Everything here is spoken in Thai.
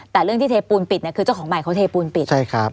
แต่เรื่องที่เทปูนปิดเนี่ยคือเจ้าของใหม่เขาเทปูนปิดใช่ครับ